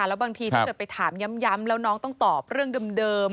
แล้วบางทีถ้าเกิดไปถามย้ำแล้วน้องต้องตอบเรื่องเดิม